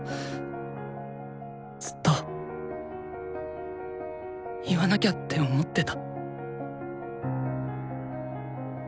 ずっと言わなきゃって思ってた。